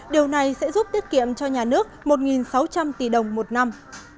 điều này sẽ giúp tiết kiệm cho nhà nước một sáu trăm linh tỷ đồng một năm